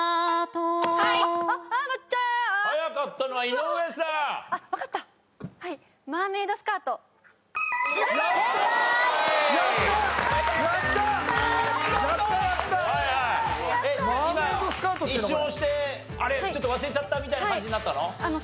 今一瞬押して「あれ？ちょっと忘れちゃった」みたいな感じになったの？